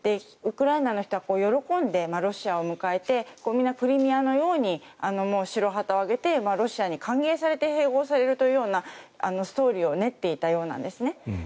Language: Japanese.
ウクライナの人は喜んでロシアを迎えてみんなクリミアのように白旗を揚げてロシアに歓迎されて併合されるというようなストーリーを練っていたようなんですね。